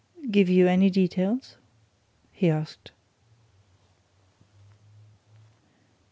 "Give you any details?" he asked.